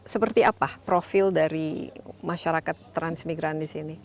seperti apa profil dari masyarakat transmigran di sini